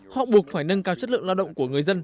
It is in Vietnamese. họ buộc phải nâng cao chất lượng